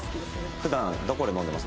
普段どこで飲んでます？